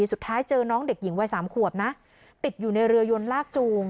สุดท้ายเจอน้องเด็กหญิงวัยสามขวบนะติดอยู่ในเรือยนลากจูง